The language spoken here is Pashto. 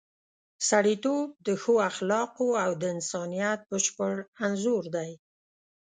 سړیتوب د ښو اخلاقو او د انسانیت بشپړ انځور دی.